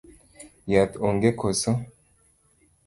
Yath onge koso?